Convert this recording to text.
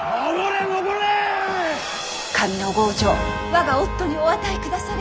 我が夫にお与えくだされ！